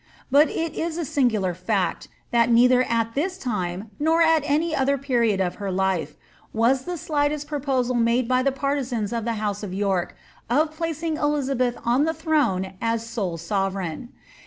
But it is a singular &ct, that neither at this time, nor at any other period of her life, was the slightest proposal made by the parti sans of the house of York of placing Elizabeth on the throne as sole sovereign.